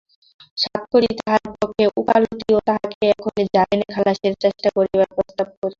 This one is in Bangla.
সাতকড়ি তাহার পক্ষে ওকালতি ও তাহাকে এখনই জামিনে খালাসের চেষ্টা করিবার প্রস্তাব করিল।